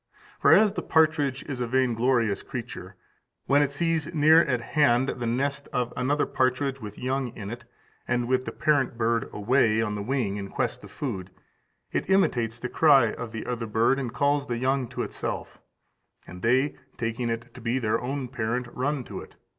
For as the partridge is a vainglorious creature, when it sees near at hand the nest of another partridge with young in it, and with the parent bird away on the wing in quest of food, it imitates the cry of the other bird, and calls the young to itself; and they, taking it to be their own parent, run to it.